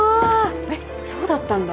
えっそうだったんだ。